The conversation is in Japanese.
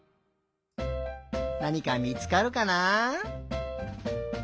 なにかみつかるかな？